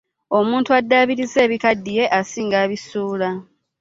Omuntu adabiriza ebikaddiye asinga abisuula .